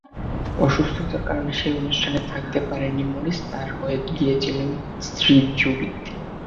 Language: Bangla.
অসুস্থতার কারণে সেই অনুষ্ঠানে থাকতে পারেননি মরিস, তাঁর হয়ে গিয়েছিলেন স্ত্রী জুডিথ।